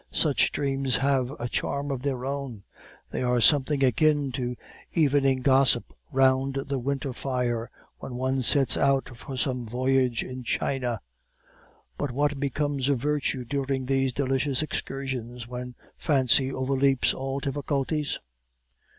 Such dreams have a charm of their own; they are something akin to evening gossip round the winter fire, when one sets out for some voyage in China. But what becomes of virtue during these delicious excursions, when fancy overleaps all difficulties?